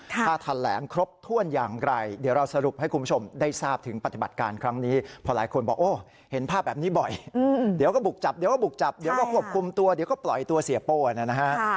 ถ้าทันแหลงครบถ้วนอย่างไรเดี๋ยวเราสรุปให้คุณผู้ชมได้ทราบถึงปฏิบัติการครั้งนี้พอหลายคนบอกโอ้เห็นภาพแบบนี้บ่อยเดี๋ยวก็บุกจับเดี๋ยวก็บุกจับเดี๋ยวก็ควบคุมตัวเดี๋ยวก็ปล่อยตัวเสียโป้นะฮะ